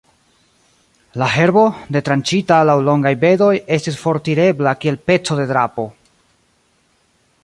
La herbo, detranĉita laŭ longaj bedoj, estis fortirebla kiel peco de drapo.